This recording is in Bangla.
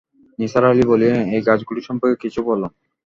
নিসার আলি বললেন, এই গাছগুলি সম্পর্কে কিছু বলুন।